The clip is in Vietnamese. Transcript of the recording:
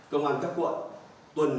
công an các quận